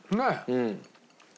うん。